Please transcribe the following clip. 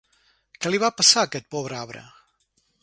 Què li va passar a aquest pobre arbre?